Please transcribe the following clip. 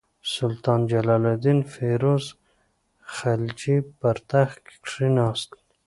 سلطان جلال الدین فیروز خلجي پر تخت کښېناست.